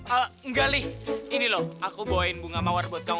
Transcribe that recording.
ah galih ini loh aku bawain bunga mawar buat kamu